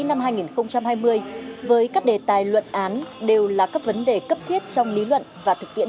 năm hai nghìn hai mươi với các đề tài luận án đều là các vấn đề cấp thiết trong lý luận và thực tiễn